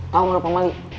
tau gak ada pak mali